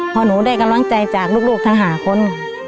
พอหนูได้กำลังใจจากลูกทั้ง๕คน